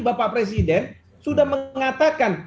bapak presiden sudah mengatakan